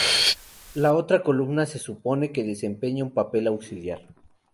La otra columna se supone que desempeña un papel auxiliar.